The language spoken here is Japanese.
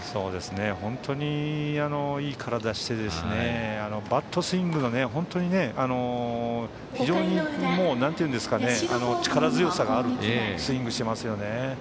本当にいい体をしててバットスイングが非常に力強さがあるスイングをしていますよね。